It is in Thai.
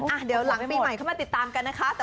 อ่ะเดี๋ยวหลังปีใหม่เข้ามาติดตามกันนะคะ